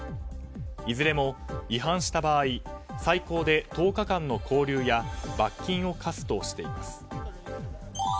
いずれも違反した場合最高で１０日間の拘留や罰金を科すとしています。